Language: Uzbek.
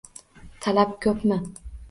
- Talab ko'pmi?